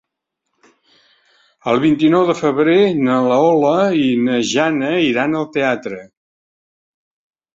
El vint-i-nou de febrer na Lola i na Jana iran al teatre.